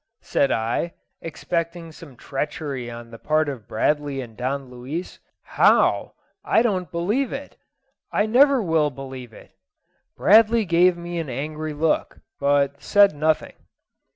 said I, expecting some treachery on the part of Bradley and Don Luis; "How? I don't believe it; I never will believe it." Bradley gave me an angry look, but said nothing.